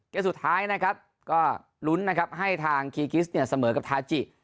เกษตร์สุดท้ายนะครับก็ลุ้นให้ทางคีย์คริสต์ฐานเสมอกับทาจิ